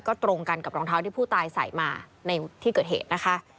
ก็ตรงกันกับรองเท้าที่ผู้ตายใส่มาในที่เกิดเหตุนะคะ